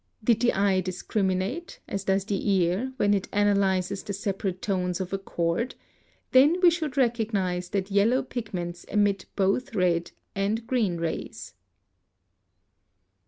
Did the eye discriminate, as does the ear when it analyzes the separate tones of a chord, then we should recognize that yellow pigments emit both red and green rays.